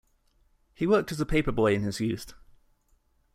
He worked as a paperboy in his youth.